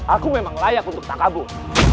aku memang layak untuk tangkabu